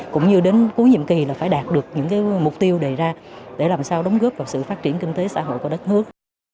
cũng như đến cuối nhiệm kỳ là phải đạt được những mục tiêu đề ra để làm sao đóng góp vào sự phát triển kinh tế xã hội của đất nước